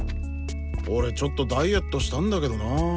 俺ちょっとダイエットしたんだけどな。